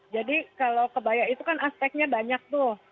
jadi kalau kebaya itu kan aspeknya banyak tuh